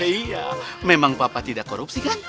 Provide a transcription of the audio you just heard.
iya memang papa tidak korupsi kan